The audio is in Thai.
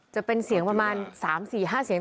จะเป็นเสียงประมาณ๓๔๕เสียง